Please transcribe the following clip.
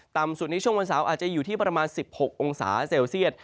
ต่ำสุดในช่วงวันเสาร์อาจจะอยู่ที่ประมาณ๑๖องศาเซลเซียต